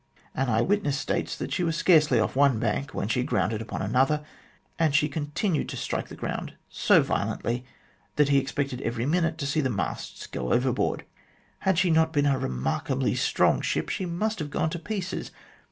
An eye witness states that she was scarcely off one bank when she grounded upon another, and she continued to strike the ground so violently that he expected every minute to see the masts go over board. Had she not been a remarkably strong ship, she must have gone to pieces.